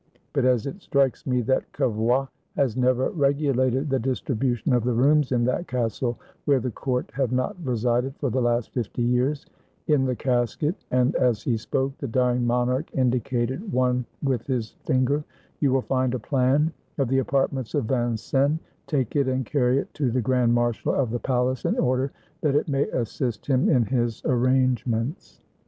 But as it strikes me that Cavoie has never regulated the distribution of the rooms in that castle, where the court have not resided for the last fifty years, in the casket" (and as he spoke the dying monarch indi cated one with his finger) "you will find a plan of the apartments of Vincennes; take it, and carry it to the grand marshal of the palace, in order that it may assist him in his arrangements."